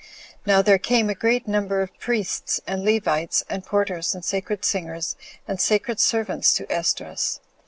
Now there came a great number of priests, and Levites, and porters, and sacred singers, and sacred servants to Esdras.